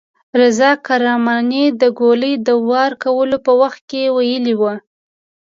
رضا کرماني د ګولۍ د وار کولو په وخت کې ویلي وو.